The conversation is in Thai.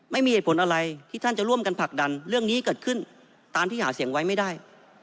ไม่มีเหตุผลอะไรที่ท่านจะร่วมกันผลักดันเรื่องนี้เกิดขึ้นตามที่หาเสียงไว้ไม่ได้